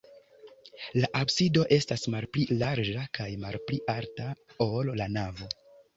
La absido estas malpli larĝa kaj malpli alta, ol la navo.